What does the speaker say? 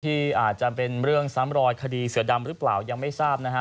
ที่อาจจะเป็นเรื่องซ้ำรอยคดีเสือดำหรือเปล่ายังไม่ทราบนะฮะ